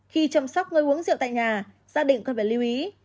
khi chăm sóc người uống rượu tại nhà gia định cần phải lưu ý